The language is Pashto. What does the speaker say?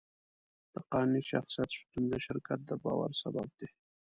د قانوني شخصیت شتون د شرکت د باور سبب دی.